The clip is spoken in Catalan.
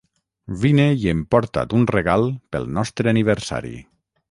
vine i emporta't un regal pel nostre aniversari